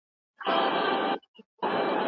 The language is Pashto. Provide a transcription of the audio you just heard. ايا انلاين زده کړه د خپلواکۍ مهارتونو وده برابروي؟